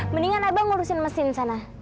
mendingan abang ngurusin mesin sana